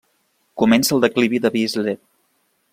Comença el declivi de Vézelay.